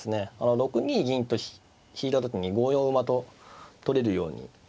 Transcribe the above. ６二銀と引いた時に５四馬と取れるようにしていますね。